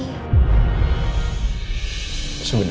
apa mama bisa sembuh lagi